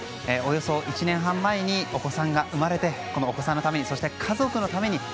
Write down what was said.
およそ１年半前にお子さんが生まれてお子さんのためにそして、家族のために。